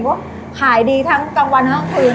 เพราะชัยหายดีทั้งกลางวันข้างคืน